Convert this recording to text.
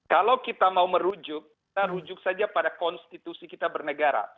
kalau kita mau merujuk kita rujuk saja pada konstitusi kita bernegara